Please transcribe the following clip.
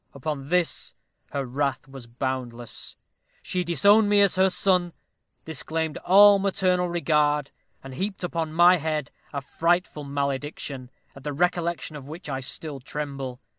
Upon this her wrath was boundless. She disowned me as her son; disclaimed all maternal regard, and heaped upon my head a frightful malediction, at the recollection of which I still tremble.